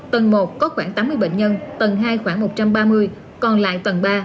tầng một có khoảng tám mươi bệnh nhân tầng hai khoảng một trăm ba mươi còn lại tầng ba